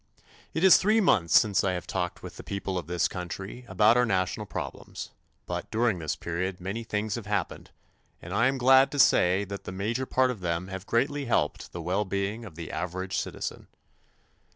It is three months since I have talked with the people of this country about our national problems; but during this period many things have happened, and I am glad to say that the major part of them have greatly helped the well being of the average citizen.